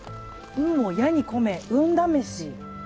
運を矢に込め、運試し。